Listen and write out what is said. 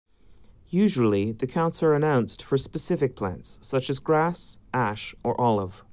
Usually, the counts are announced for specific plants such as grass, ash, or olive.